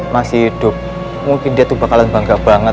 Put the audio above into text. masih hidup mungkin dia tuh bakalan bangga banget